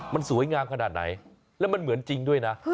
มันสวยงามขนาดไหนแล้วมันเหมือนจริงด้วยนะ